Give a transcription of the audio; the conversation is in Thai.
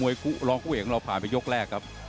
มวยล้องคู่เด็กเราพันไปยกแรกครับ